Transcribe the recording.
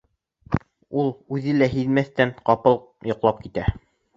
Ул, үҙе лә һиҙмәҫтән, ҡапыл йоҡлап китә.